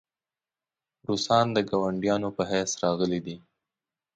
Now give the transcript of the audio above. روسان د ګاونډیانو په حیث راغلي دي.